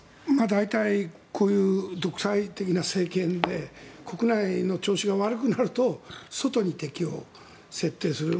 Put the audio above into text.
大体こういう独裁的な政権で国内の調子が悪くなると外に敵を設定する。